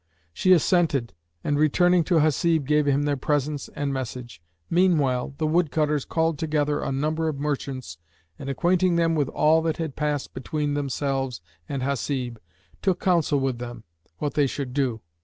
She assented and returning to Hasib gave him their presents and message. Meanwhile, the woodcutters called together a number of merchants and, acquainting them with all that had passed between themselves and Hasib, took counsel with them what they should do.